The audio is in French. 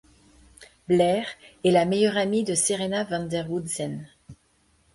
Blair est la meilleure amie de Serena van der Woodsen.